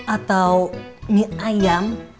atau mie ayam